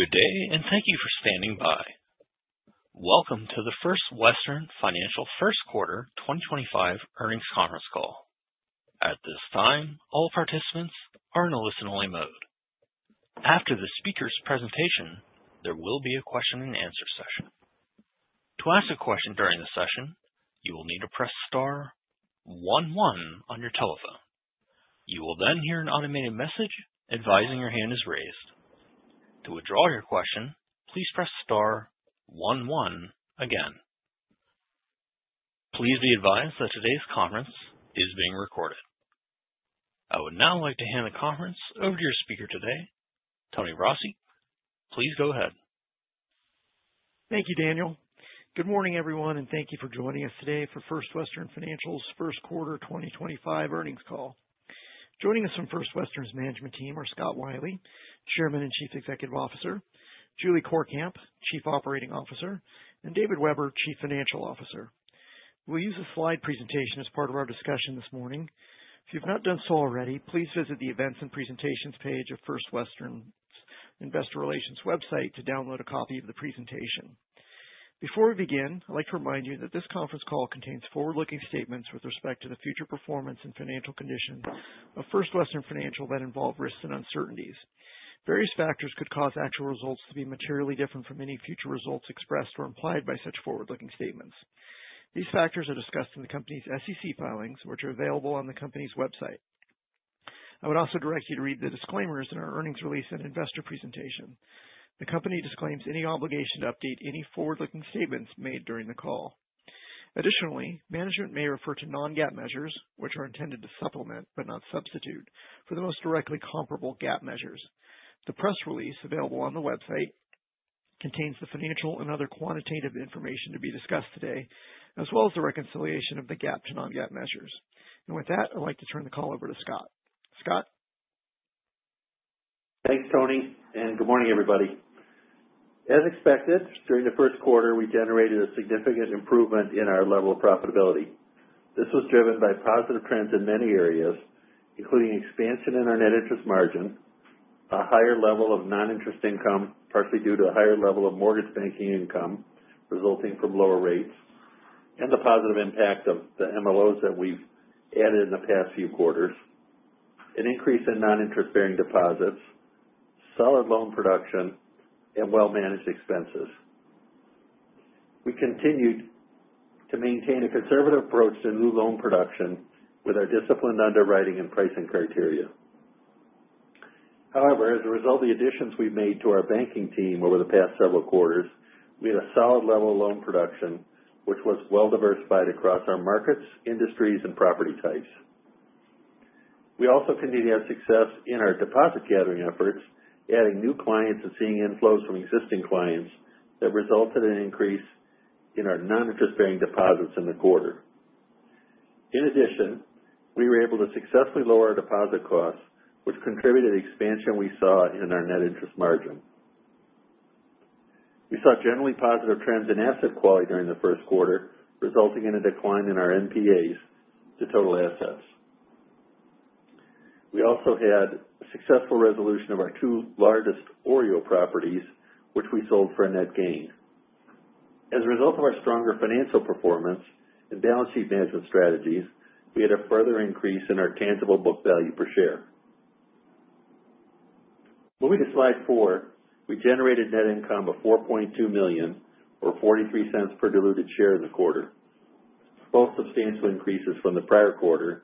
Good day, and thank you for standing by. Welcome to the First Western Financial First Quarter 2025 earnings conference call. At this time, all participants are in a listen-only mode. After the speaker's presentation, there will be a question-and-answer session. To ask a question during the session, you will need to press star one, one on your telephone. You will then hear an automated message advising your hand is raised. To withdraw your question, please press star one, one again. Please be advised that today's conference is being recorded. I would now like to hand the conference over to your speaker today, Tony Rossi. Please go ahead. Thank you, Daniel. Good morning, everyone, and thank you for joining us today for First Western Financial's first quarter 2025 earnings call. Joining us from First Western's management team are Scott Wylie, Chairman and Chief Executive Officer; Julie Courkamp, Chief Operating Officer; and David Weber, Chief Financial Officer. We'll use a slide presentation as part of our discussion this morning. If you have not done so already, please visit the events and presentations page of First Western's Investor Relations website to download a copy of the presentation. Before we begin, I'd like to remind you that this conference call contains forward-looking statements with respect to the future performance and financial conditions of First Western Financial that involve risks and uncertainties. Various factors could cause actual results to be materially different from any future results expressed or implied by such forward-looking statements. These factors are discussed in the company's SEC filings, which are available on the company's website. I would also direct you to read the disclaimers in our earnings release and investor presentation. The company disclaims any obligation to update any forward-looking statements made during the call. Additionally, management may refer to non-GAAP measures, which are intended to supplement but not substitute for the most directly comparable GAAP measures. The press release available on the website contains the financial and other quantitative information to be discussed today, as well as the reconciliation of the GAAP to non-GAAP measures. With that, I'd like to turn the call over to Scott. Scott. Thanks, Tony, and good morning, everybody. As expected, during the first quarter, we generated a significant improvement in our level of profitability. This was driven by positive trends in many areas, including expansion in our net interest margin, a higher level of non-interest income, partially due to a higher level of mortgage banking income resulting from lower rates, and the positive impact of the MLOs that we've added in the past few quarters, an increase in non-interest-bearing deposits, solid loan production, and well-managed expenses. We continued to maintain a conservative approach to new loan production with our disciplined underwriting and pricing criteria. However, as a result of the additions we've made to our banking team over the past several quarters, we had a solid level of loan production, which was well-diversified across our markets, industries, and property types. We also continued to have success in our deposit gathering efforts, adding new clients and seeing inflows from existing clients that resulted in an increase in our non-interest-bearing deposits in the quarter. In addition, we were able to successfully lower our deposit costs, which contributed to the expansion we saw in our net interest margin. We saw generally positive trends in asset quality during the first quarter, resulting in a decline in our NPAs, the total assets. We also had a successful resolution of our two largest OREO properties, which we sold for a net gain. As a result of our stronger financial performance and balance sheet management strategies, we had a further increase in our tangible book value per share. Moving to slide four, we generated net income of $4.2 million, or $0.43 per diluted share in the quarter, both substantial increases from the prior quarter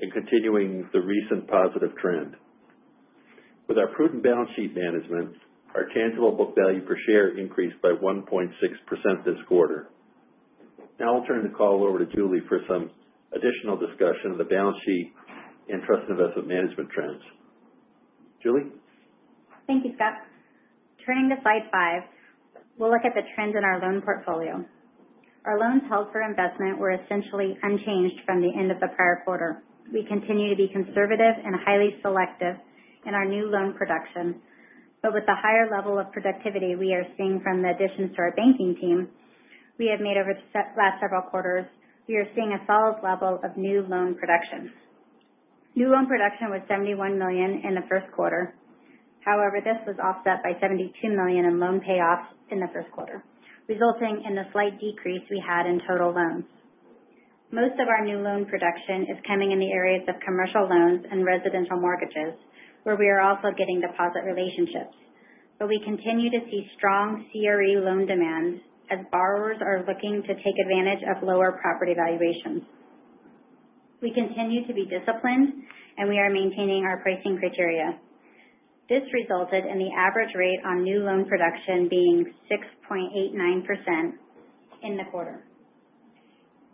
and continuing the recent positive trend. With our prudent balance sheet management, our tangible book value per share increased by 1.6% this quarter. Now I'll turn the call over to Julie for some additional discussion of the balance sheet and trust investment management trends. Julie? Thank you, Scott. Turning to slide five, we'll look at the trends in our loan portfolio. Our loans held for investment were essentially unchanged from the end of the prior quarter. We continue to be conservative and highly selective in our new loan production, but with the higher level of productivity we are seeing from the additions to our banking team we have made over the last several quarters, we are seeing a solid level of new loan production. New loan production was $71 million in the first quarter. However, this was offset by $72 million in loan payoffs in the first quarter, resulting in the slight decrease we had in total loans. Most of our new loan production is coming in the areas of commercial loans and residential mortgages, where we are also getting deposit relationships. We continue to see strong CRE loan demand as borrowers are looking to take advantage of lower property valuations. We continue to be disciplined, and we are maintaining our pricing criteria. This resulted in the average rate on new loan production being 6.89% in the quarter,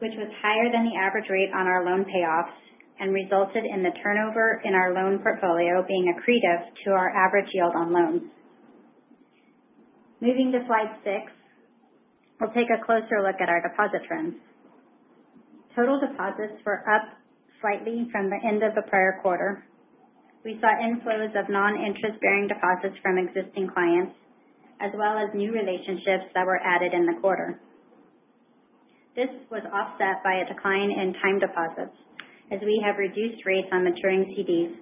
which was higher than the average rate on our loan payoffs and resulted in the turnover in our loan portfolio being accretive to our average yield on loans. Moving to slide six, we'll take a closer look at our deposit trends. Total deposits were up slightly from the end of the prior quarter. We saw inflows of non-interest-bearing deposits from existing clients, as well as new relationships that were added in the quarter. This was offset by a decline in time deposits, as we have reduced rates on maturing CDs,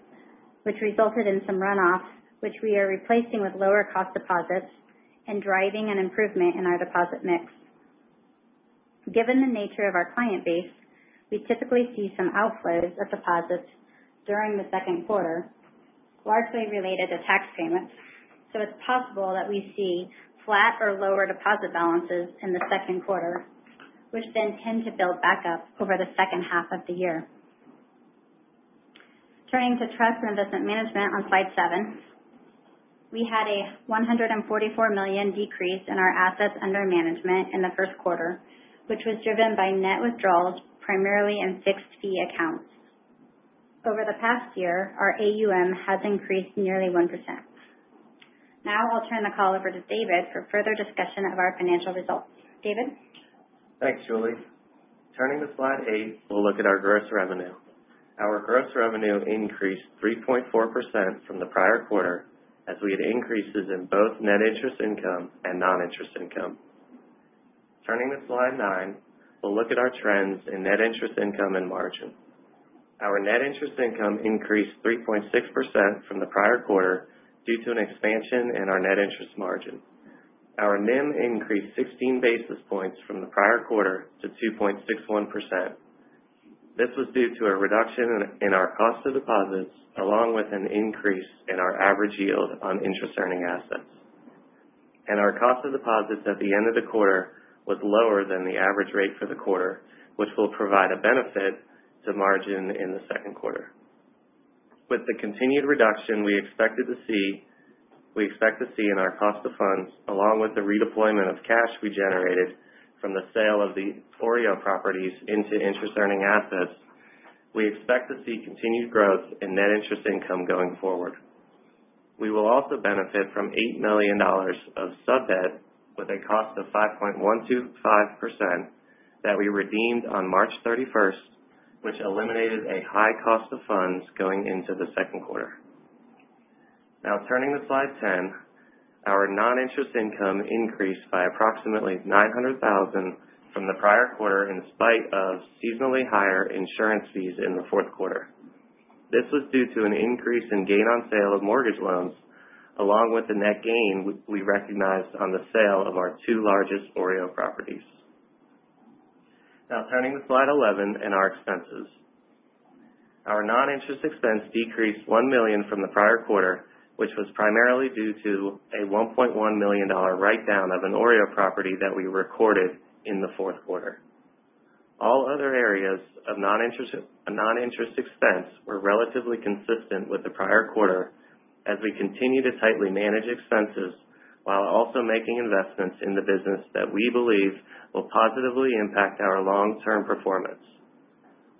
which resulted in some runoff, which we are replacing with lower-cost deposits and driving an improvement in our deposit mix. Given the nature of our client base, we typically see some outflows of deposits during the second quarter, largely related to tax payments, so it's possible that we see flat or lower deposit balances in the second quarter, which then tend to build back up over the second half of the year. Turning to trust investment management on slide seven, we had a $144 million decrease in our assets under management in the first quarter, which was driven by net withdrawals primarily in fixed fee accounts. Over the past year, our AUM has increased nearly one percent. Now I'll turn the call over to David for further discussion of our financial results. David? Thanks, Julie. Turning to slide eight, we'll look at our gross revenue. Our gross revenue increased 3.4% from the prior quarter, as we had increases in both net interest income and non-interest income. Turning to slide nine, we'll look at our trends in net interest income and margin. Our net interest income increased 3.6% from the prior quarter due to an expansion in our net interest margin. Our NIM increased 16 basis points from the prior quarter to 2.6one percent. This was due to a reduction in our cost of deposits, along with an increase in our average yield on interest-earning assets. Our cost of deposits at the end of the quarter was lower than the average rate for the quarter, which will provide a benefit to margin in the second quarter. With the continued reduction we expected to see, we expect to see in our cost of funds, along with the redeployment of cash we generated from the sale of the OREO properties into interest-earning assets, we expect to see continued growth in net interest income going forward. We will also benefit from $8 million of sub debt with a cost of 5.125% that we redeemed on March 31st, which eliminated a high cost of funds going into the second quarter. Now turning to slide 10, our non-interest income increased by approximately $900,000 from the prior quarter, in spite of seasonally higher insurance fees in the fourth quarter. This was due to an increase in gain on sale of mortgage loans, along with the net gain we recognized on the sale of our two largest OREO properties. Now turning to slide 11 in our expenses. Our non-interest expense decreased $1 million from the prior quarter, which was primarily due to a $1.1 million write-down of an OREO property that we recorded in the fourth quarter. All other areas of non-interest expense were relatively consistent with the prior quarter, as we continue to tightly manage expenses while also making investments in the business that we believe will positively impact our long-term performance,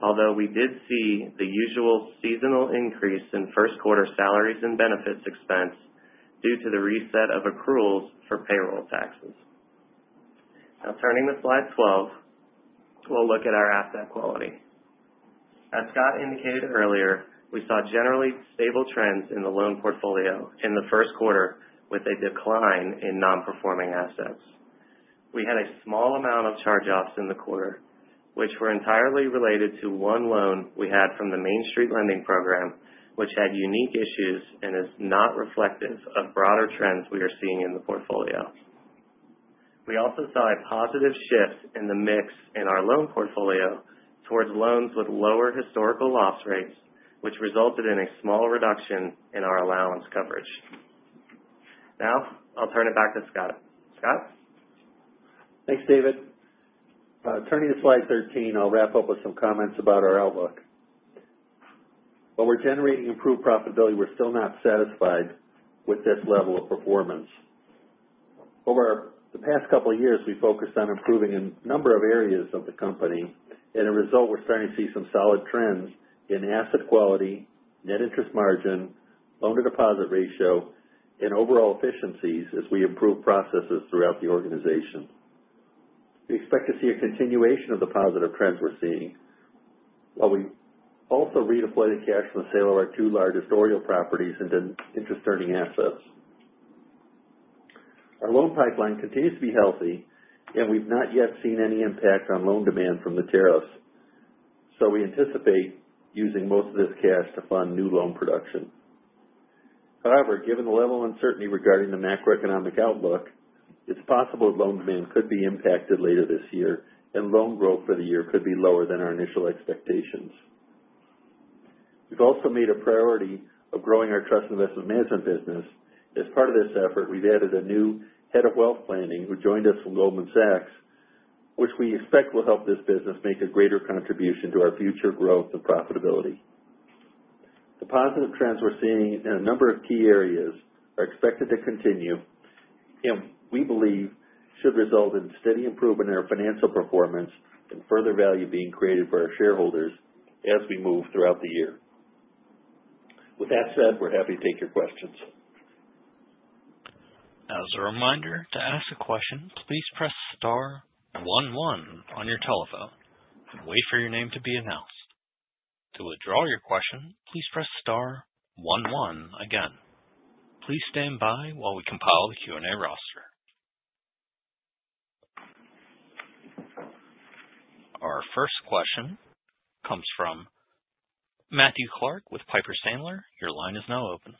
although we did see the usual seasonal increase in first-quarter salaries and benefits expense due to the reset of accruals for payroll taxes. Now turning to slide 12, we'll look at our asset quality. As Scott indicated earlier, we saw generally stable trends in the loan portfolio in the first quarter, with a decline in non-performing assets. We had a small amount of charge-offs in the quarter, which were entirely related to one loan we had from the Main Street Lending Program, which had unique issues and is not reflective of broader trends we are seeing in the portfolio. We also saw a positive shift in the mix in our loan portfolio towards loans with lower historical loss rates, which resulted in a small reduction in our allowance coverage. Now I'll turn it back to Scott. Scott? Thanks, David. Turning to slide 13, I'll wrap up with some comments about our outlook. While we're generating improved profitability, we're still not satisfied with this level of performance. Over the past couple of years, we focused on improving a number of areas of the company. As a result, we're starting to see some solid trends in asset quality, net interest margin, loan-to-deposit ratio, and overall efficiencies as we improve processes throughout the organization. We expect to see a continuation of the positive trends we're seeing, while we also redeploy the cash from the sale of our two largest OREO properties into interest-earning assets. Our loan pipeline continues to be healthy, and we've not yet seen any impact on loan demand from the tariffs, so we anticipate using most of this cash to fund new loan production. However, given the level of uncertainty regarding the macroeconomic outlook, it's possible that loan demand could be impacted later this year, and loan growth for the year could be lower than our initial expectations. We've also made a priority of growing our trust investment management business. As part of this effort, we've added a new head of wealth planning who joined us from Goldman Sachs, which we expect will help this business make a greater contribution to our future growth and profitability. The positive trends we're seeing in a number of key areas are expected to continue, and we believe should result in steady improvement in our financial performance and further value being created for our shareholders as we move throughout the year. With that said, we're happy to take your questions. As a reminder, to ask a question, please press star one, one on your telephone and wait for your name to be announced. To withdraw your question, please press star one, one again. Please stand by while we compile the Q&A roster. Our first question comes from Matthew Clark with Piper Sandler. Your line is now open.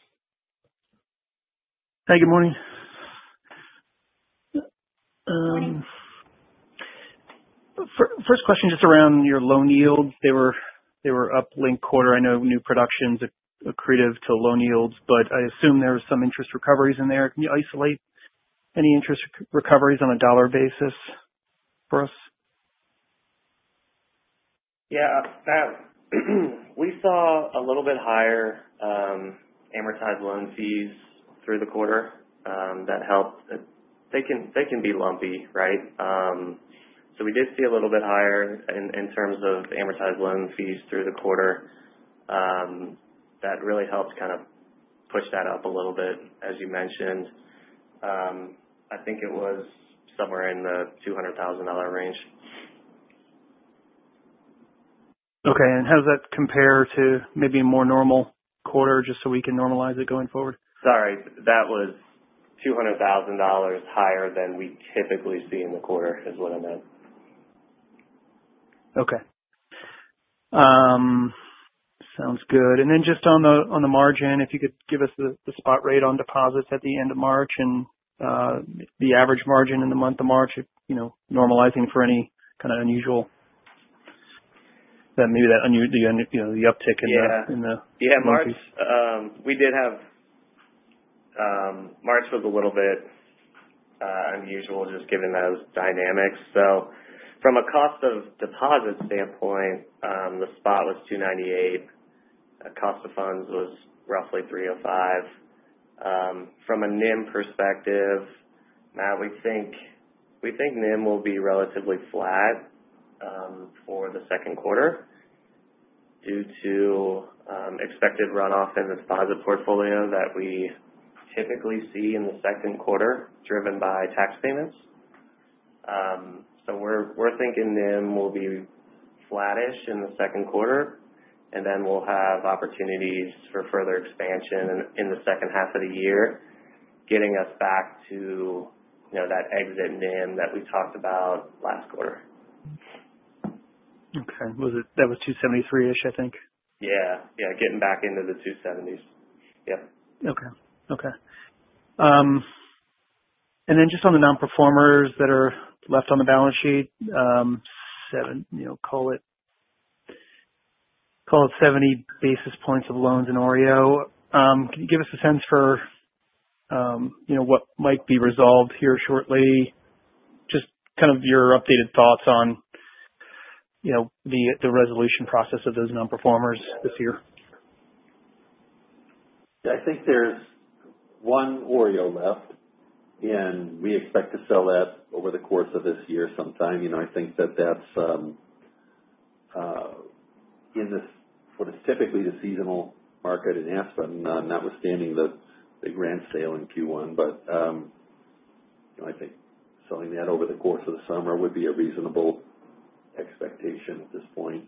Hey, good morning. First question just around your loan yields. They were up late quarter. I know new production's accretive to loan yields, but I assume there were some interest recoveries in there. Can you isolate any interest recoveries on a dollar basis for us? Yeah. We saw a little bit higher amortized loan fees through the quarter. That helped. They can be lumpy, right? We did see a little bit higher in terms of amortized loan fees through the quarter. That really helped kind of push that up a little bit, as you mentioned. I think it was somewhere in the $200,000 range. Okay. How does that compare to maybe a more normal quarter, just so we can normalize it going forward? Sorry. That was $200,000 higher than we typically see in the quarter, is what I meant. Okay. Sounds good. Then just on the margin, if you could give us the spot rate on deposits at the end of March and the average margin in the month of March, normalizing for any kind of unusual that maybe the uptick in the. Yeah. Yeah, March, we did have March was a little bit unusual, just given those dynamics. From a cost of deposit standpoint, the spot was $298. Cost of funds was roughly $305. From a NIM perspective, we think NIM will be relatively flat for the second quarter due to expected runoff in the deposit portfolio that we typically see in the second quarter, driven by tax payments. We are thinking NIM will be flattish in the second quarter, and then we will have opportunities for further expansion in the second half of the year, getting us back to that exit NIM that we talked about last quarter. Okay. That was $273-ish, I think. Yeah. Yeah. Getting back into the $270s. Yep. Okay. Okay. Just on the non-performers that are left on the balance sheet, call it 70 basis points of loans in OREO, can you give us a sense for what might be resolved here shortly? Just kind of your updated thoughts on the resolution process of those non-performers this year. I think there's one OREO left, and we expect to sell that over the course of this year sometime. I think that that's in what is typically the seasonal market in Aspen, notwithstanding the grand sale in Q1. I think selling that over the course of the summer would be a reasonable expectation at this point.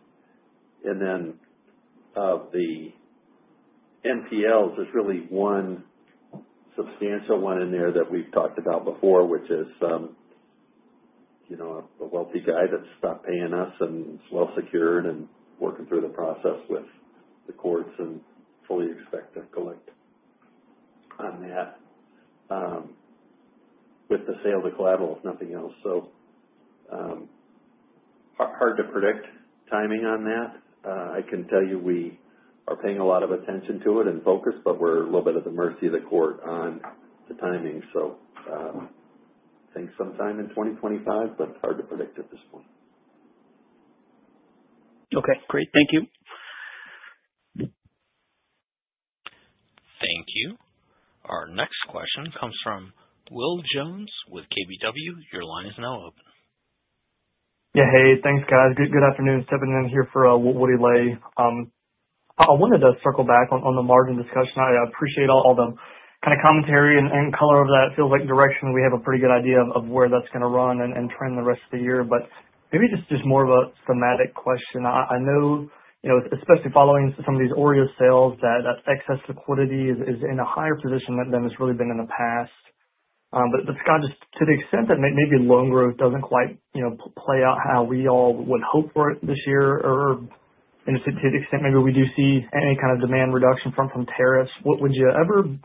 Of the MPLs, there's really one substantial one in there that we've talked about before, which is a wealthy guy that's stopped paying us and is well-secured and working through the process with the courts and fully expect to collect on that with the sale of the collateral, if nothing else. It is hard to predict timing on that. I can tell you we are paying a lot of attention to it and focus, but we're a little bit at the mercy of the court on the timing. I think sometime in 2025, but hard to predict at this point. Okay. Great. Thank you. Thank you. Our next question comes from Will Jones with KBW. Your line is now open. Yeah. Hey. Thanks, guys. Good afternoon. Stepping in here for Woody Lay. I wanted to circle back on the margin discussion. I appreciate all the kind of commentary and color of that. Feels like direction. We have a pretty good idea of where that's going to run and trend the rest of the year. Maybe just more of a thematic question. I know, especially following some of these OREO sales, that excess liquidity is in a higher position than it's really been in the past. Scott, just to the extent that maybe loan growth doesn't quite play out how we all would hope for it this year, or to the extent maybe we do see any kind of demand reduction from tariffs, would you ever, in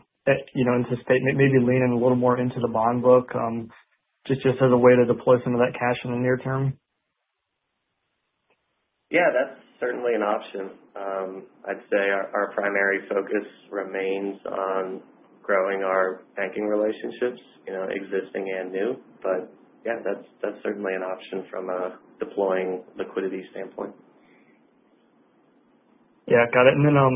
this statement, maybe lean in a little more into the bond book just as a way to deploy some of that cash in the near term? Yeah. That's certainly an option. I'd say our primary focus remains on growing our banking relationships, existing and new. Yeah, that's certainly an option from a deploying liquidity standpoint. Yeah. Got it. I mean, that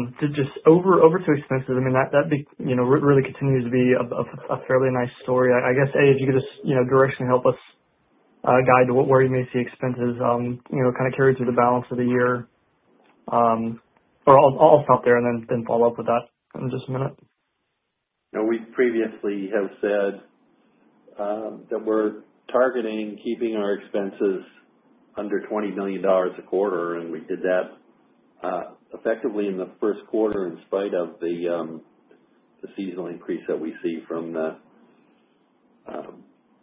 really continues to be a fairly nice story. I guess, hey, if you could just directionally help us guide to where you may see expenses kind of carry through the balance of the year. I will stop there and then follow up with that in just a minute. We previously have said that we're targeting keeping our expenses under $20 million a quarter, and we did that effectively in the first quarter in spite of the seasonal increase that we see from the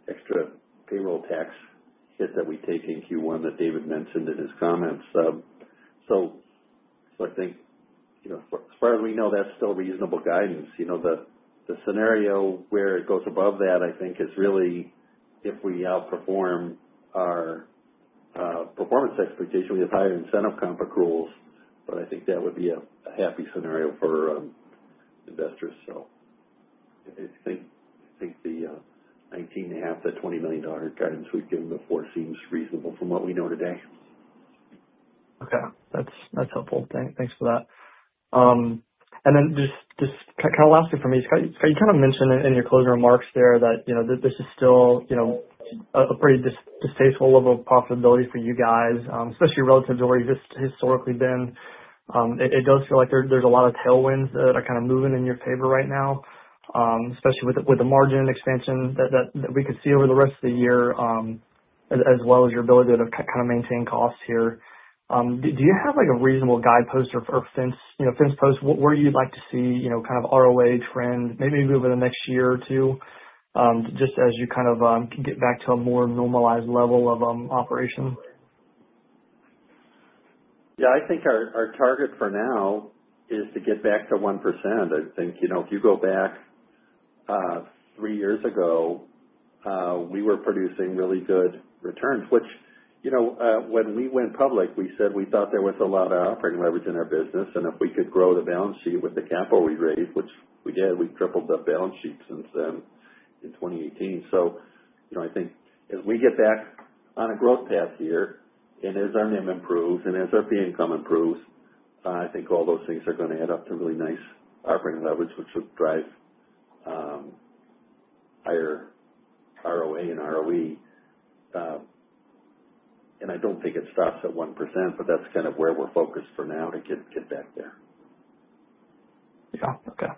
extra payroll tax hit that we take in Q1 that David mentioned in his comments. I think, as far as we know, that's still reasonable guidance. The scenario where it goes above that, I think, is really if we outperform our performance expectation. We have higher incentive comp accruals, but I think that would be a happy scenario for investors. I think the $19.5-$20 million guidance we've given before seems reasonable from what we know today. Okay. That's helpful. Thanks for that. Lastly for me, Scott, you kind of mentioned in your closing remarks there that this is still a pretty distasteful level of profitability for you guys, especially relative to where you've historically been. It does feel like there's a lot of tailwinds that are kind of moving in your favor right now, especially with the margin expansion that we could see over the rest of the year, as well as your ability to kind of maintain costs here. Do you have a reasonable guidepost or fence post where you'd like to see kind of ROA trend, maybe over the next year or two, just as you kind of get back to a more normalized level of operation? Yeah. I think our target for now is to get back to one percent. I think if you go back three years ago, we were producing really good returns, which when we went public, we said we thought there was a lot of operating leverage in our business. If we could grow the balance sheet with the capital we raised, which we did, we tripled the balance sheet since then in 2018. I think as we get back on a growth path here, and as our NIM improves, and as our fee income improves, I think all those things are going to add up to really nice operating leverage, which would drive higher ROA and ROE. I do not think it stops at one percent, but that is kind of where we are focused for now to get back there. Yeah. Okay.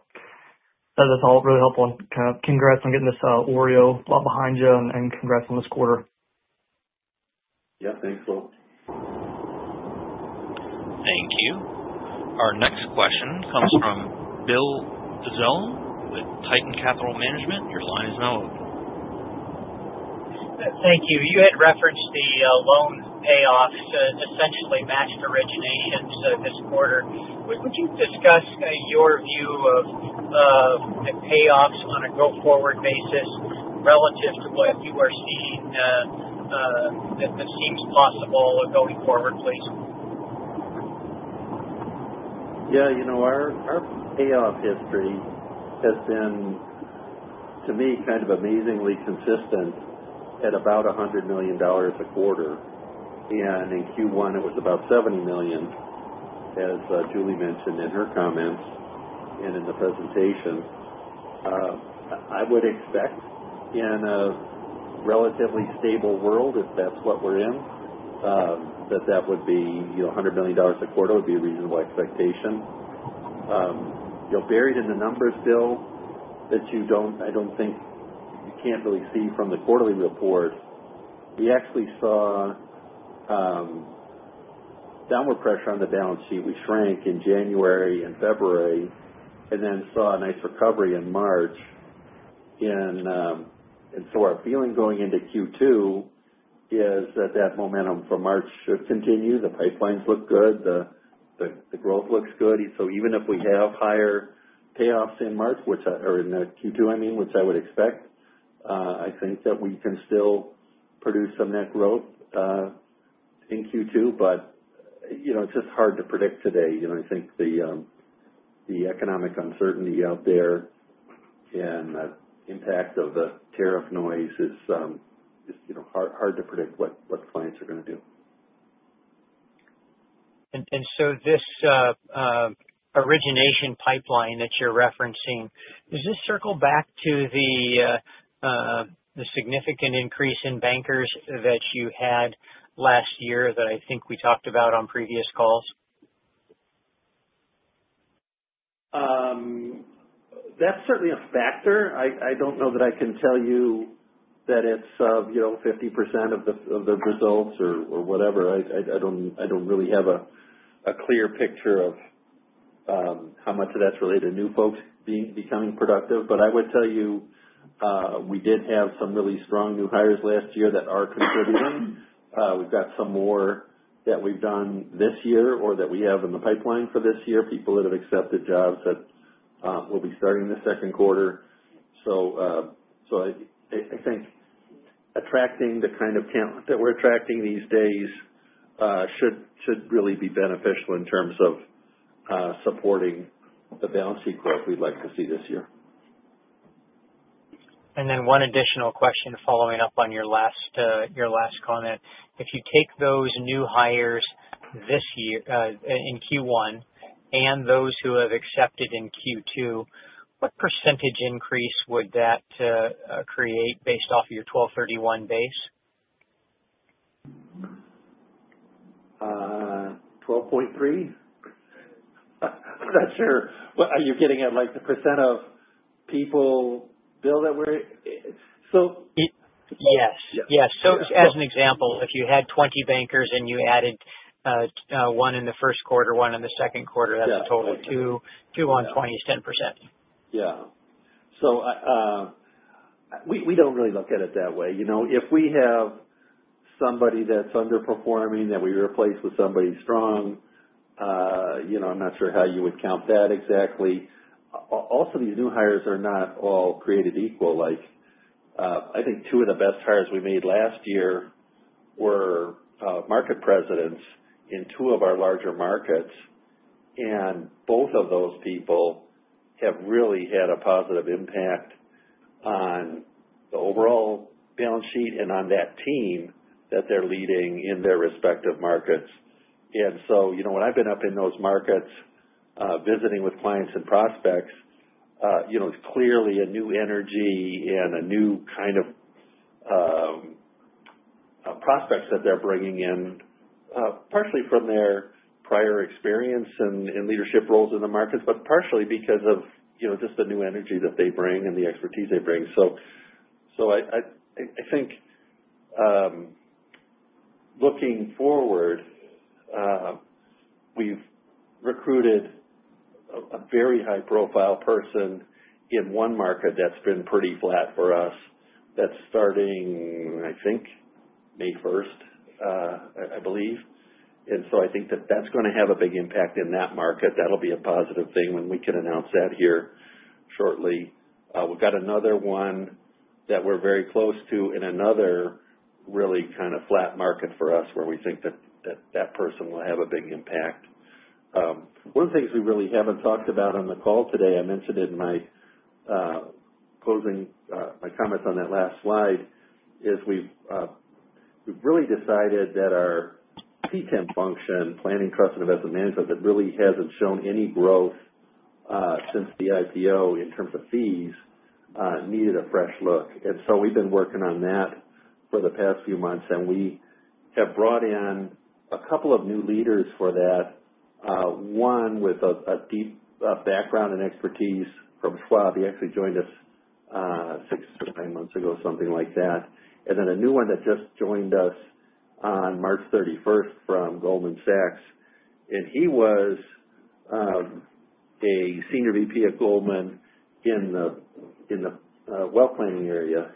That's all really helpful. Congrats on getting this OREO lot behind you, and congrats on this quarter. Yeah. Thanks, Will. Thank you. Our next question comes from Bill Dezellem with Tieton Capital Management. Your line is now open. Thank you. You had referenced the loan payoffs essentially matched origination this quarter. Would you discuss your view of payoffs on a go-forward basis relative to what you are seeing that seems possible going forward, please? Yeah. Our payoff history has been, to me, kind of amazingly consistent at about $100 million a quarter. In Q1, it was about $70 million, as Julie mentioned in her comments and in the presentation. I would expect, in a relatively stable world, if that's what we're in, that $100 million a quarter would be a reasonable expectation. Buried in the numbers, Bill, that you don't, I don't think you can't really see from the quarterly report. We actually saw downward pressure on the balance sheet. We shrank in January and February and then saw a nice recovery in March. Our feeling going into Q2 is that that momentum from March should continue. The pipelines look good. The growth looks good. Even if we have higher payoffs in March or in Q2, I mean, which I would expect, I think that we can still produce some net growth in Q2. It is just hard to predict today. I think the economic uncertainty out there and the impact of the tariff noise is hard to predict what clients are going to do. Does this origination pipeline that you're referencing circle back to the significant increase in bankers that you had last year that I think we talked about on previous calls? That's certainly a factor. I don't know that I can tell you that it's 50% of the results or whatever. I don't really have a clear picture of how much of that's related to new folks becoming productive. But I would tell you we did have some really strong new hires last year that are contributing. We've got some more that we've done this year or that we have in the pipeline for this year, people that have accepted jobs that will be starting the second quarter. I think attracting the kind of talent that we're attracting these days should really be beneficial in terms of supporting the balance sheet growth we'd like to see this year. One additional question following up on your last comment. If you take those new hires in Q1 and those who have accepted in Q2, what percentage increase would that create based off of your 12/31 base? 12.3%? I'm not sure. Are you getting at the percent of people, Bill, that we're so? Yes. Yes. As an example, if you had 20 bankers and you added one in the first quarter, one in the second quarter, that's a total of 2 on 20 is 10%. Yeah. We do not really look at it that way. If we have somebody that is underperforming that we replace with somebody strong, I am not sure how you would count that exactly. Also, these new hires are not all created equal. I think two of the best hires we made last year were market presidents in two of our larger markets. Both of those people have really had a positive impact on the overall balance sheet and on that team that they are leading in their respective markets. When I have been up in those markets visiting with clients and prospects, it is clearly a new energy and a new kind of prospects that they are bringing in, partially from their prior experience in leadership roles in the markets, but partially because of just the new energy that they bring and the expertise they bring. I think looking forward, we've recruited a very high-profile person in one market that's been pretty flat for us that's starting, I think, May 1, I believe. I think that that's going to have a big impact in that market. That'll be a positive thing when we can announce that here shortly. We've got another one that we're very close to in another really kind of flat market for us where we think that that person will have a big impact. One of the things we really haven't talked about on the call today, I mentioned in my closing comments on that last slide, is we've really decided that our P10 function, Planning, Trust, and Investment Management, that really hasn't shown any growth since the IPO in terms of fees, needed a fresh look. We've been working on that for the past few months. We have brought in a couple of new leaders for that, one with a deep background and expertise from Schwab. He actually joined us six or nine months ago, something like that. A new one just joined us on March 31 from Goldman Sachs. He was a Senior VP at Goldman in the wealth planning area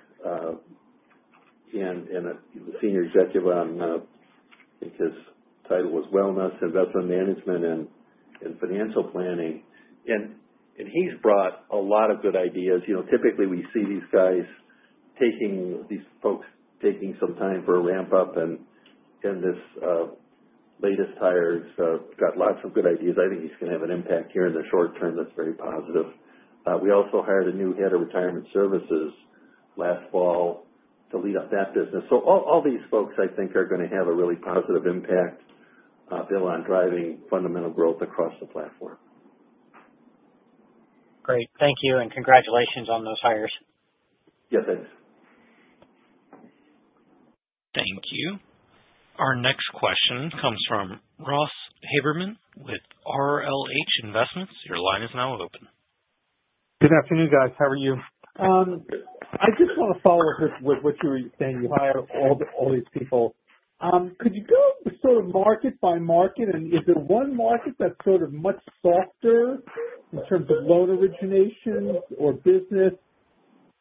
and a senior executive on, I think his title was Wealth Investment Management and Financial Planning. He has brought a lot of good ideas. Typically, we see these folks taking some time for a ramp-up. This latest hire has lots of good ideas. I think he is going to have an impact here in the short term that is very positive. We also hired a new head of retirement services last fall to lead up that business. All these folks, I think, are going to have a really positive impact, Bill, on driving fundamental growth across the platform. Great. Thank you. Congratulations on those hires. Yeah. Thanks. Thank you. Our next question comes from Ross Haberman with RLH Investments. Your line is now open. Good afternoon, guys. How are you? I just want to follow up with what you were saying. You hire all these people. Could you go sort of market by market? Is there one market that's sort of much softer in terms of loan origination or business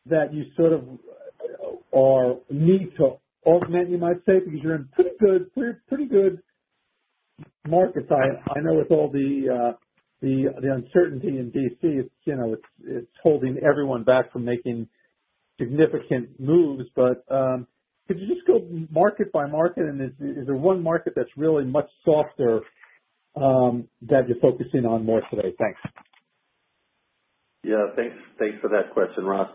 that you sort of need to augment, you might say, because you're in pretty good markets? I know with all the uncertainty in D.C., it's holding everyone back from making significant moves. Could you just go market by market? Is there one market that's really much softer that you're focusing on more today? Thanks. Yeah. Thanks for that question, Ross.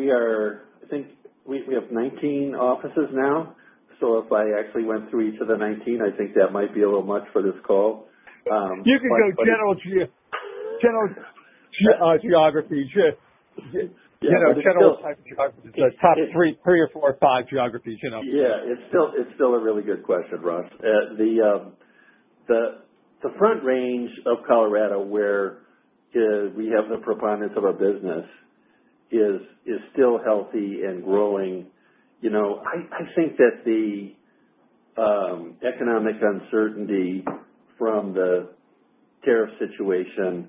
I think we have 19 offices now. If I actually went through each of the 19, I think that might be a little much for this call. You can go general geography. General type of geography. The top three or four or five geographies. Yeah. It's still a really good question, Ross. The front range of Colorado where we have the preponderance of our business is still healthy and growing. I think that the economic uncertainty from the tariff situation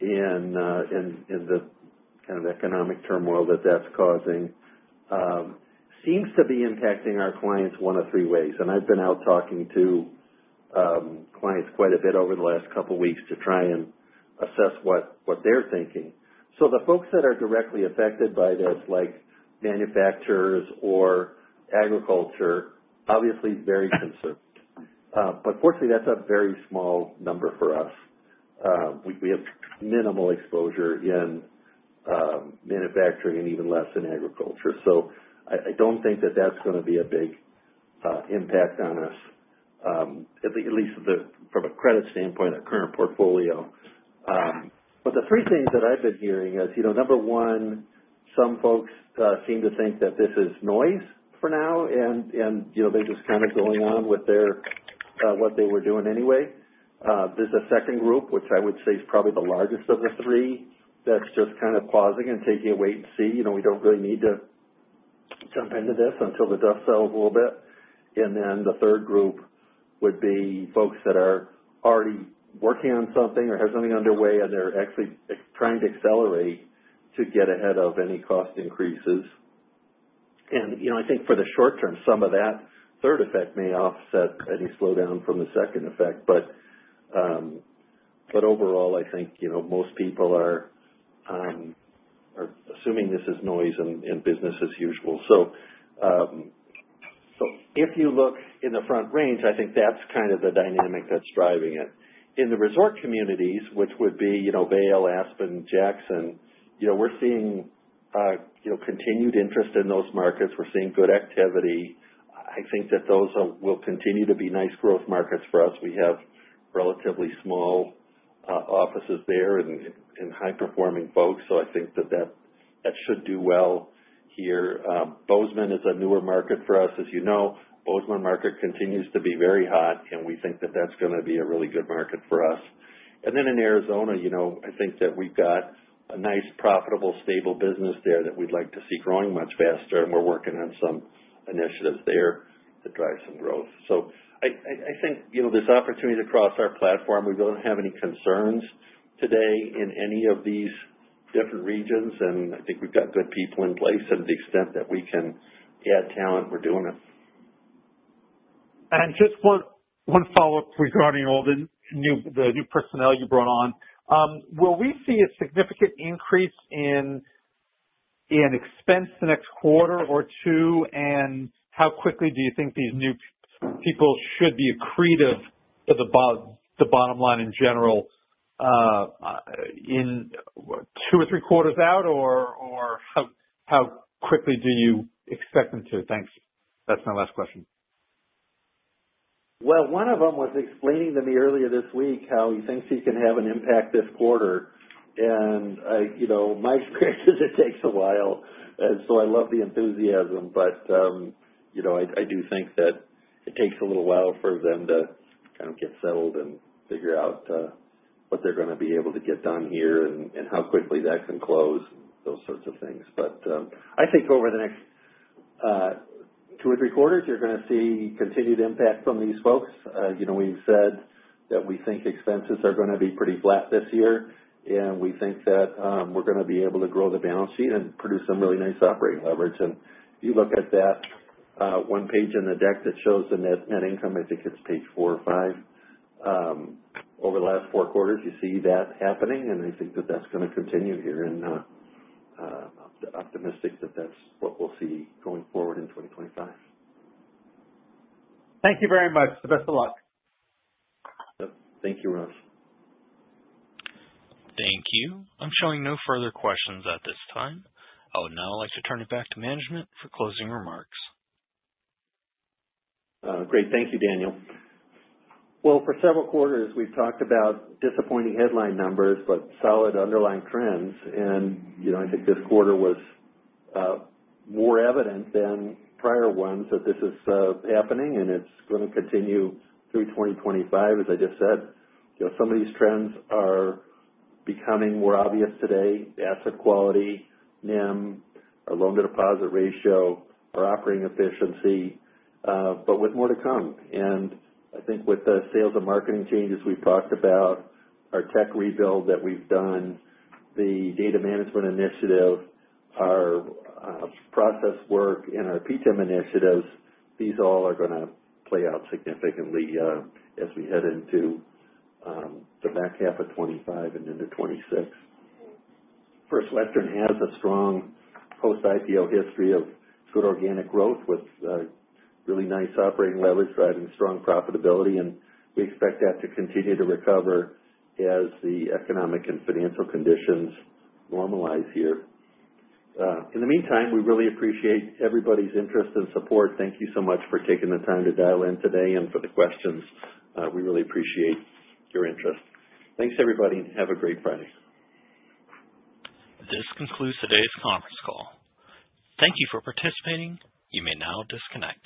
and the kind of economic turmoil that that's causing seems to be impacting our clients one of three ways. I have been out talking to clients quite a bit over the last couple of weeks to try and assess what they're thinking. The folks that are directly affected by this, like manufacturers or agriculture, are obviously very concerned. Fortunately, that's a very small number for us. We have minimal exposure in manufacturing and even less in agriculture. I do not think that that's going to be a big impact on us, at least from a credit standpoint, our current portfolio. The three things that I've been hearing is, number one, some folks seem to think that this is noise for now, and they're just kind of going on with what they were doing anyway. There's a second group, which I would say is probably the largest of the three, that's just kind of pausing and taking a wait and see. We don't really need to jump into this until the dust settles a little bit. The third group would be folks that are already working on something or have something underway, and they're actually trying to accelerate to get ahead of any cost increases. I think for the short term, some of that third effect may offset any slowdown from the second effect. Overall, I think most people are assuming this is noise and business as usual. If you look in the front range, I think that's kind of the dynamic that's driving it. In the resort communities, which would be Vail, Aspen, Jackson, we're seeing continued interest in those markets. We're seeing good activity. I think that those will continue to be nice growth markets for us. We have relatively small offices there and high-performing folks. I think that that should do well here. Bozeman is a newer market for us. As you know, Bozeman market continues to be very hot. We think that that's going to be a really good market for us. In Arizona, I think that we've got a nice, profitable, stable business there that we'd like to see growing much faster. We're working on some initiatives there to drive some growth. I think there's opportunity across our platform. We do not have any concerns today in any of these different regions. I think we have good people in place. To the extent that we can add talent, we are doing it. Just one follow-up regarding the new personnel you brought on. Will we see a significant increase in expense the next quarter or two? How quickly do you think these new people should be accretive to the bottom line in general, two or three quarters out? How quickly do you expect them to? Thanks. That is my last question. One of them was explaining to me earlier this week how he thinks he can have an impact this quarter. My experience is it takes a while. I love the enthusiasm. I do think that it takes a little while for them to kind of get settled and figure out what they're going to be able to get done here and how quickly that can close and those sorts of things. I think over the next two or three quarters, you're going to see continued impact from these folks. We've said that we think expenses are going to be pretty flat this year. We think that we're going to be able to grow the balance sheet and produce some really nice operating leverage. If you look at that one page in the deck that shows the net income, I think it's page four or five, over the last four quarters, you see that happening. I think that that's going to continue here. I'm optimistic that that's what we'll see going forward in 2025. Thank you very much. The best of luck. Thank you, Ross. Thank you. I'm showing no further questions at this time. Now I'd like to turn it back to management for closing remarks. Great. Thank you, Daniel. For several quarters, we've talked about disappointing headline numbers but solid underlying trends. I think this quarter was more evident than prior ones that this is happening. It's going to continue through 2025, as I just said. Some of these trends are becoming more obvious today: asset quality, NIM, our loan-to-deposit ratio, our operating efficiency, with more to come. I think with the sales and marketing changes we've talked about, our tech rebuild that we've done, the data management initiative, our process work, and our P10 initiatives, these all are going to play out significantly as we head into the back half of 2025 and into 2026. First Western Financial has a strong post-IPO history of good organic growth with really nice operating leverage driving strong profitability. We expect that to continue to recover as the economic and financial conditions normalize here. In the meantime, we really appreciate everybody's interest and support. Thank you so much for taking the time to dial in today and for the questions. We really appreciate your interest. Thanks, everybody. Have a great Friday. This concludes today's conference call. Thank you for participating. You may now disconnect.